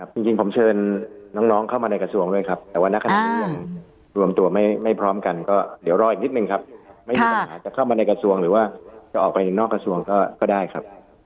จริงผมเชิญน้องเข้ามาในกระทรวงด้วยครับแต่ว่าณขณะนี้ยังรวมตัวไม่พร้อมกันก็เดี๋ยวรออีกนิดนึงครับไม่มีปัญหาจะเข้ามาในกระทรวงหรือว่าจะออกไปนอกกระทรวงก็ได้ครับ